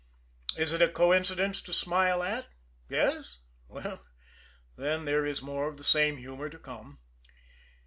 Is it a coincidence to smile at? Yes? Well, then, there is more of the same humor to come.